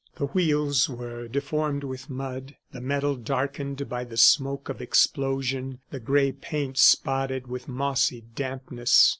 The wheels were deformed with mud, the metal darkened by the smoke of explosion, the gray paint spotted with mossy dampness.